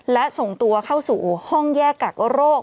และส่งตัวเข้าสู่ห้องแยกกักโรค